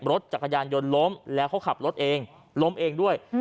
รถจักรยานยนต์ล้มแล้วเขาขับรถเองล้มเองด้วย